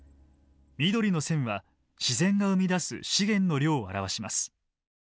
緑の線は自然が生み出す資源の量を表します。